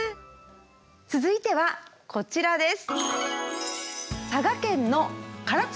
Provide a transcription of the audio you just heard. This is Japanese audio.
続いてはこちらです。